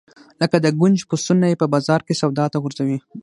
لکه د ګنج پسونه یې په بازار کې سودا ته غورځوي.